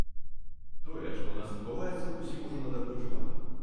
Тое, што ў нас адбываецца, усім ужо надакучыла.